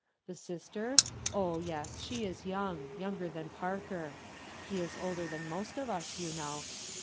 Thesister? Oh, yes, she is young— younger than Parker. He is older than most of us, you know.